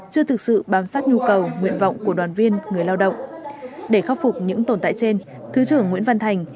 chưa thực sự bám sát nhu cầu nguyện vọng của đoàn viên người lao động để khắc phục những tồn tại trên thứ trưởng nguyễn văn thành